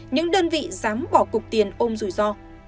những đơn vị dám bỏ cục tiền ôm rủi ro